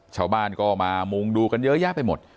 ชาวบ้านก็มามุงดูกันเยอะแยะไปหมด